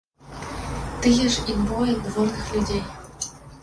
Тыя ж і двое дворных людзей.